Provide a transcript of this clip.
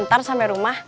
and sampai rumah